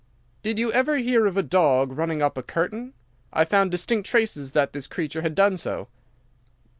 "Did you ever hear of a dog running up a curtain? I found distinct traces that this creature had done so."